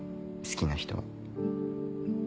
好きな人は。